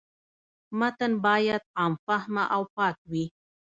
متن باید عام فهمه او پاک وي.